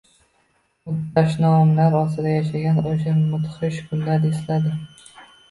U dashnomlar ostida yashagan o’sha mudhish kunlarni esladi.